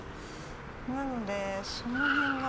なのでその辺が。